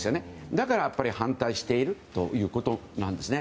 だから反対しているということなんですね。